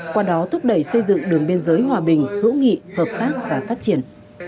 qua đó thúc đẩy xây dựng đường biên giới hòa bình hữu nghị hợp tác và phát triển